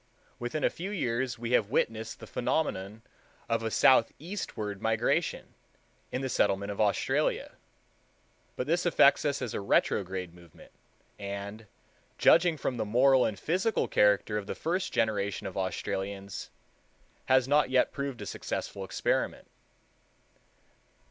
Within a few years we have witnessed the phenomenon of a southeastward migration, in the settlement of Australia; but this affects us as a retrograde movement, and, judging from the moral and physical character of the first generation of Australians, has not yet proved a successful experiment.